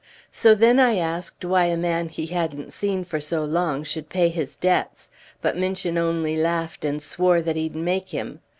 So then I asked why a man he hadn't seen for so long should pay his debts, but Minchin only laughed and swore that he'd make him.